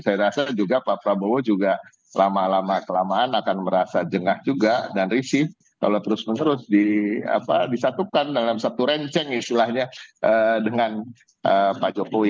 saya rasa juga pak prabowo juga lama lama kelamaan akan merasa jengah juga dan risih kalau terus menerus disatukan dalam satu renceng istilahnya dengan pak jokowi